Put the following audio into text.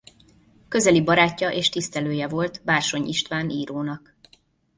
Közeli barátja és tisztelője volt Bársony István írónak.